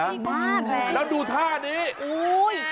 ท่านดูแผนดูท่านิโอ๊ย